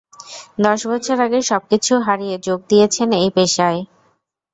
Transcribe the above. দশ বছর আগে সবকিছু হারিয়ে যোগ দিয়েছেন এই পেশায়!